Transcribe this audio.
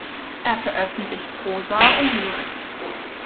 Er veröffentlicht Prosa und Lyrik.